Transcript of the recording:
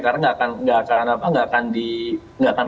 karena tidak akan